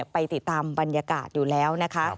ไปติดตามบรรยากาศอยู่แล้วนะคะ